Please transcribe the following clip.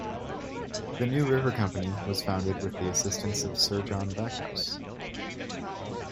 The New River Company was founded with the assistance of Sir John Backhouse.